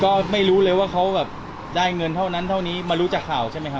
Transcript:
ก็ไม่รู้เลยว่าเขาแบบได้เงินเท่านั้นเท่านี้มารู้จากข่าวใช่ไหมครับ